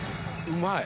うまい！